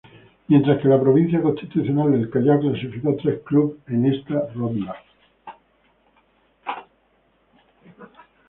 Mientras que la Provincia Constitucional del Callao clasificó tres clubes a esta ronda.